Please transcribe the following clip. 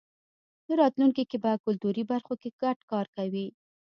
راتلونکی کې به کلتوري برخو کې ګډ کار کوی.